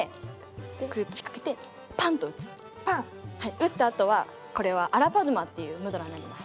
うったあとはこれはアラパドマっていうムドラーになります。